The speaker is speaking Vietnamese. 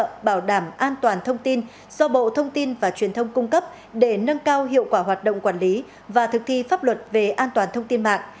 của bộ thông tin do bộ thông tin và truyền thông cung cấp để nâng cao hiệu quả hoạt động quản lý và thực thi pháp luật về an toàn thông tin mạng